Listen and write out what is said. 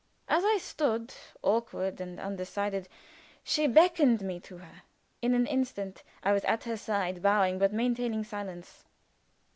As I stood, awkward and undecided, she beckoned me to her. In an instant I was at her side, bowing but maintaining silence.